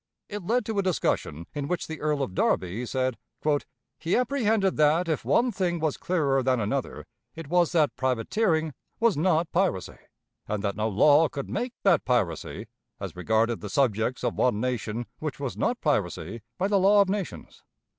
It led to a discussion in which the Earl of Derby said: "He apprehended that, if one thing was clearer than another, it was that privateering was not piracy; and that no law could make that piracy, as regarded the subjects of one nation which was not piracy by the law of nations.